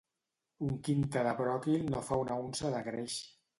Un quintar de bròquil no fa una unça de greix.